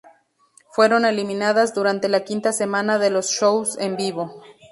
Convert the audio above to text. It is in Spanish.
Fueron eliminadas durante la quinta semana de los shows en vivo.